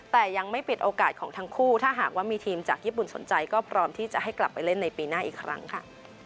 แต่ยังไม่ปิดโอกาสของทั้งคู่ถ้าหากว่ามีทีมจากญี่ปุ่นสนใจก็พร้อมที่จะให้กลับไปเล่นในปีหน้าอีกครั้งค่ะ